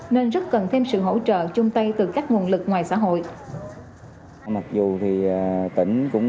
nên rất cần thêm sự hỗ trợ chung tay từ các nguồn lực ngoài xã hội